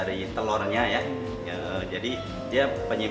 karena kalau misalnya kita menggunakan kue tiaw kita bisa menggunakan kue tiaw